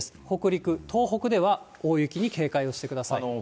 北陸、東北では大雪に警戒をしてください。